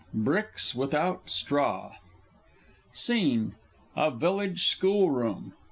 Bricks without Straw SCENE _A Village School room.